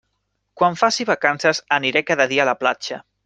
Quan faci vacances aniré cada dia a la platja.